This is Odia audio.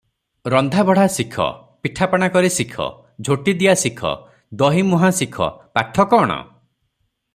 ରନ୍ଧା ବଢ଼ା ଶିଖ, ପିଠାପଣା କରି ଶିଖ, ଝୋଟିଦିଆ ଶିଖ, ଦହିମୁହାଁ ଶିଖ, ପାଠ କ’ଣ?”